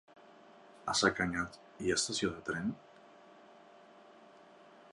A Sacanyet hi ha estació de tren?